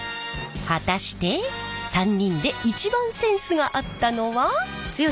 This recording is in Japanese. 果たして３人で一番センスがあったのは？